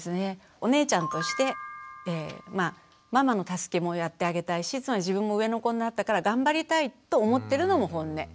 お姉ちゃんとしてママの助けもやってあげたいし自分も上の子になったから頑張りたいと思ってるのもホンネ。